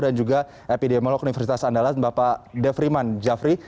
dan juga epidemiolog universitas andalan bapak devriman jafri